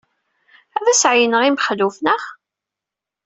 Ad as-tɛeyyneḍ i Mexluf, naɣ?